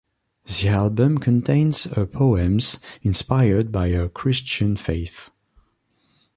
The album contains her poems inspired by her Christian faith.